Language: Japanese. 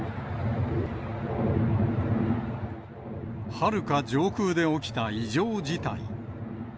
はるか上空で起きた異常事態。